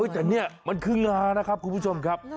แต่นี่มันคืองานะครับคุณผู้ชมครับ